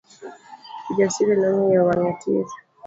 Kijasiri nong'iyo wange tir.